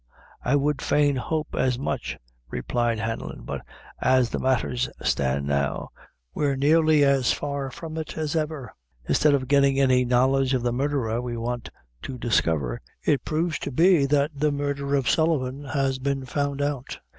"I would fain hope as much," replied Hanlon; "but as the matthers stand now, we're nearly as far from it as ever. Instead of gettin' any knowledge of the murdherer we want to discover, it proves to be the murdher of Sullivan that has been found out."